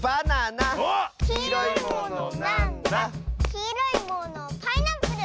「きいろいものパイナップル！」